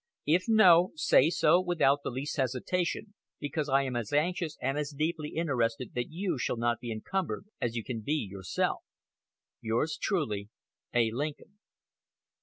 If no, say so without the least hesitation, because I am as anxious and as deeply interested that you shall not be encumbered as you can be yourself. Yours truly, A. Lincoln.